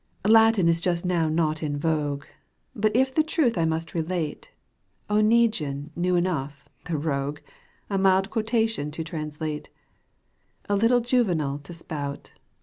Latin is just now not in vogue, But if the truth I must relate, Oneguine knew enough, the rogue A mild quotation to translate, A little Juvenal to spout.